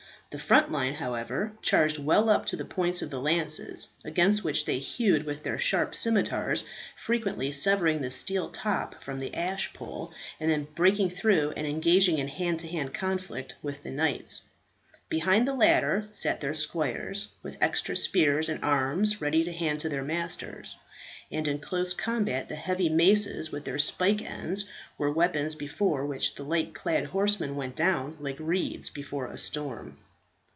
The front line, however, charged well up to the points of the lances, against which they hewed with their sharp scimitars, frequently severing the steel top from the ashpole, and then breaking through and engaging in hand to hand conflict with the knights. Behind the latter sat their squires, with extra spears and arms ready to hand to their masters; and in close combat, the heavy maces with their spike ends were weapons before which the light clad horsemen went down like reeds before a storm.